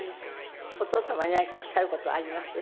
お父様に何かおっしゃる事はあります？